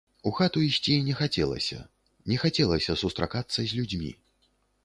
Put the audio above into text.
У хату ісці не хацелася, не хацелася сустракацца з людзьмі.